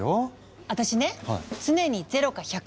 私ね常に０か１００。